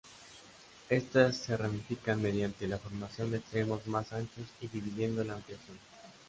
Estas se ramifican mediante la formación de extremos más anchos y dividiendo la ampliación.